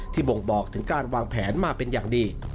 บ่งบอกถึงการวางแผนมาเป็นอย่างดี